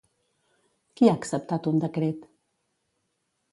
Qui ha acceptat un decret?